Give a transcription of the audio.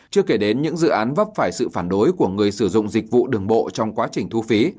chưa kể đến những dự án vấp phải sự phản đối của người sử dụng dịch vụ đường bộ trong quá trình thu phí